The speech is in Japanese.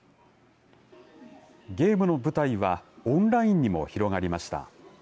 ゲームの舞台はオンラインにも広がりました。